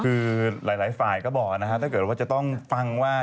คือหลายฝ่ายก็บอกนะครับถ้าเกิดว่าจะต้องฟังว่า